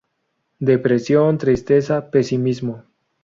Depresión, tristeza, pesimismo.